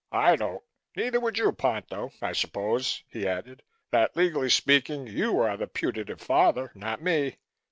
I don't. Neither would you, Ponto. I suppose," he added, "that legally speaking you are the putative father, not me.